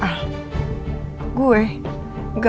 aku bener bener gak sengaja